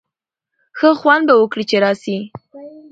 ښه خوند به وکړي چي راسی.